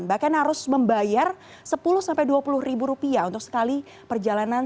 bahkan harus membayar sepuluh dua puluh ribu rupiah untuk sekali perjalanan